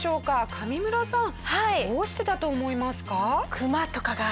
上村さんどうしてだと思いますか？